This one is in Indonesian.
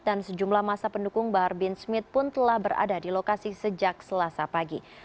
dan sejumlah masa pendukung bahar bin smith pun telah berada di lokasi sejak selasa pagi